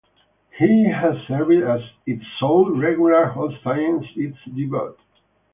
He has served as its sole regular host since its debut.